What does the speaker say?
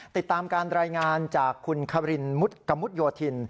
ติดตามการรายงานจากคุณคารินกะมุดโยธิน